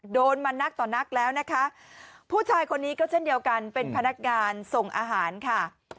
โดนมานักต่อนักแล้วนะคะผู้ชายคนนี้ก็เช่นเดียวกันเป็นพนักงานส่งอาหารค่ะ